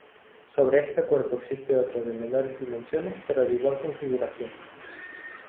Sobre este cuerpo existe otro de menores dimensiones pero de igual configuración.